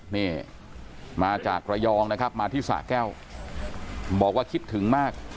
นี่มาจากระยองนะครับมาที่สะแก้วบอกว่าคิดถึงมาก